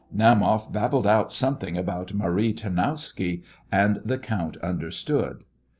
Naumoff babbled out something about Marie Tarnowska, and the count understood.